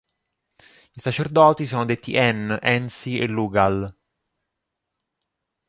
I sacerdoti sono detti "en", "ensi" e "lugal".